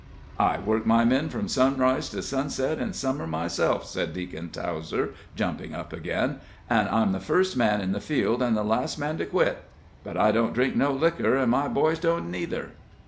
"I work my men from sunrise to sunset in summer, myself," said Deacon Towser, jumping up again, "an' I'm the first man in the field, an' the last man to quit. But I don't drink no liquor, an' my boys don't, neither."